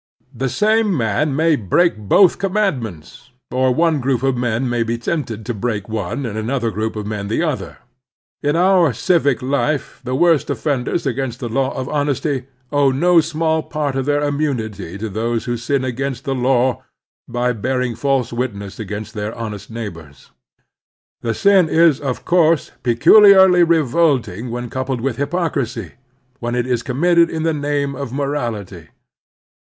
The same man may break both commandments, or one group of men may be tempted to break one and another group of men the other. In our civic life the worst offenders against the law of honesty owe no small part of their immimity to those who sin against the law by bearing false witness against their honest neighbors. The sin is, of course, peculiarly revolting when coupled with hypocrisy, when it is committed in the name of morality.